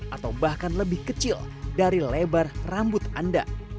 atau bahkan lebih kecil dari lebar rambut anda